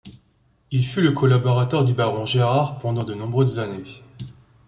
Il fut le collaborateur du baron Gérard pendant de nombreuses années.